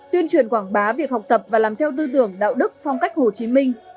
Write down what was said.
tuyên truyền quảng bá việc học tập và làm theo tư tưởng đạo đức phong cách hồ chí minh